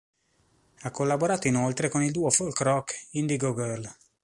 Ha collaborato inoltre con il duo folk-rock Indigo Girls.